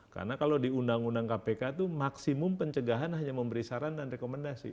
karena kalau di undang undang kpk itu maksimum pencegahan hanya memberi saran dan rekomendasi